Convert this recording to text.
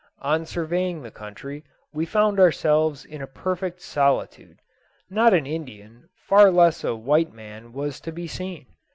On surveying the country we found ourselves in a perfect solitude. Not an Indian, far less a white man, was to be seen.